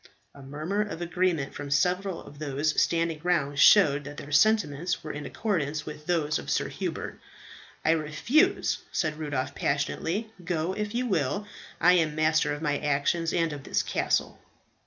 A murmur of agreement from several of those standing round showed that their sentiments were in accordance with those of Sir Hubert. "I refuse," said Rudolph passionately. "Go, if you will. I am master of my actions, and of this castle."